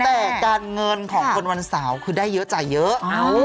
แต่การเงินของคนวันเสาร์คือได้เยอะจ่ายเยอะ